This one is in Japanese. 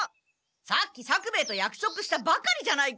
さっき作兵衛とやくそくしたばかりじゃないか？